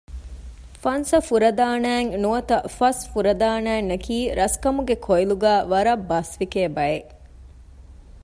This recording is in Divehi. ‘ފަންސަފުރަދާނައިން’ ނުވަތަ ފަސް ފުރަދާނައިން ނަކީ ރަސްކަމުގެ ކޮއިލުގައި ވަރަށް ބަސްވިކޭ ބައެއް